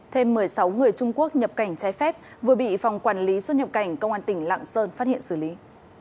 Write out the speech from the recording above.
thêm một mươi sáu người trung quốc nhập cảnh trái phép vừa bị phòng quản lý xuất nhập cảnh công an tỉnh lạng sơn phát hiện xử lý